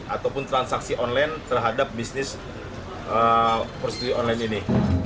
ataupun transaksi online terhadap bisnis prostitusi online ini